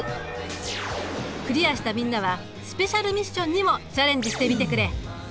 クリアしたみんなはスペシャルミッションにもチャレンジしてみてくれ。